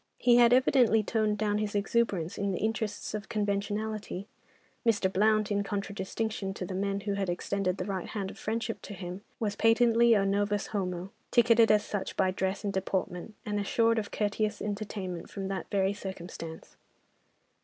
He had evidently toned down his exuberance in the interests of conventionality. Mr. Blount, in contradistinction to the men who had extended the right hand of friendship to him, was patently a novus homo—ticketed as such by dress and deportment, and assured of courteous entertainment from that very circumstance.